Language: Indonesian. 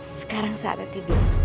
sekarang saatnya tidur